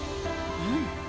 うん。